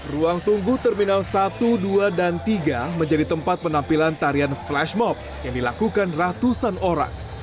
ruang tunggu terminal satu dua dan tiga menjadi tempat penampilan tarian flash mob yang dilakukan ratusan orang